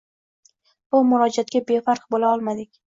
Bu murojaatga befarq bo‘la olmadik.